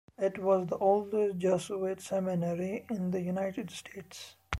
It was the oldest Jesuit seminary in the United States.